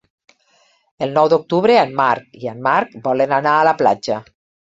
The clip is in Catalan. El nou d'octubre en Marc i en Marc volen anar a la platja.